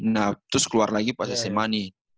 nah terus keluar lagi pas sma nih